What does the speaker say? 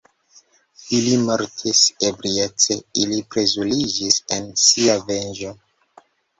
Ili mortigis ebriece, ili plezuriĝis en sia venĝo.